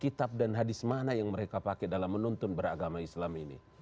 kitab dan hadis mana yang mereka pakai dalam menuntun beragama islam ini